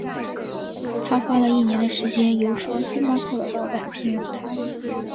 他花了一年的时间游说星巴克的老板聘用他。